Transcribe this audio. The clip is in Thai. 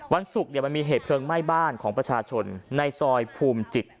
วันศุกร์มันมีเหตุเพลิงไหม้บ้านของประชาชนในซอยภูมิจิต